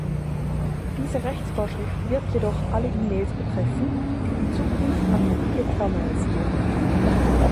Diese Rechtsvorschrift wird jedoch alle E-Mails betreffen, die in Zukunft an mobile Terminals gehen.